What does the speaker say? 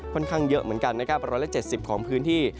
ค่อนข้างเยอะเหมือนกันนะครับ๑๗๐ของพื้นที่